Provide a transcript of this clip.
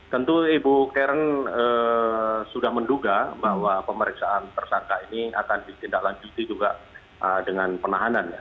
tentu ibu karen sudah menduga bahwa pemeriksaan tersangka ini akan ditindaklanjuti juga dengan penahanan ya